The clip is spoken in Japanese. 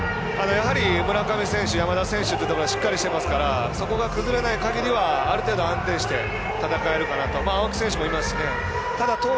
やはり村上選手、山田選手というところがしっかりしていますからそこが崩れないかぎりはある程度安定して戦えるかなと。